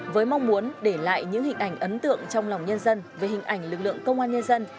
với mong muốn để lại những hình ảnh ấn tượng trong lòng nhân dân về hình ảnh lực lượng công an nhân dân